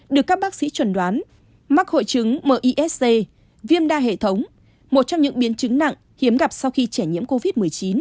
được các bác sĩ chuẩn đoán mắc hội chứng misc viêm đa hệ thống một trong những biến chứng nặng hiếm gặp sau khi trẻ nhiễm covid một mươi chín